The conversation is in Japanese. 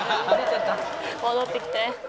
戻ってきて。